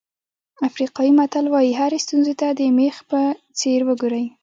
افریقایي متل وایي هرې ستونزې ته د مېخ په څېر وګورئ.